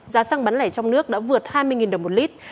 giá xăng bán lẻ trong nước đã vượt hai mươi đồng một lít